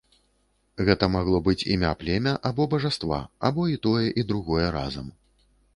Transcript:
Гэта магло быць імя племя або бажаства, або і тое, і другое разам.